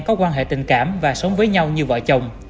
có quan hệ tình cảm và sống với nhau như vợ chồng